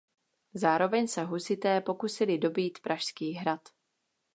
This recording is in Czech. Zároveň se husité pokusili dobýt Pražský hrad.